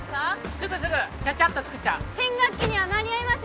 すぐすぐチャチャッとつくっちゃう新学期には間に合います？